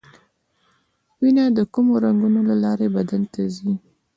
وینه د کومو رګونو له لارې بدن ته ځي